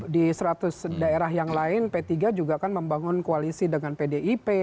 di seratus daerah yang lain p tiga juga kan membangun koalisi dengan pdip